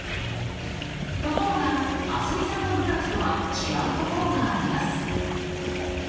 ところが蒼澄さんのグラフとは違うところがあります。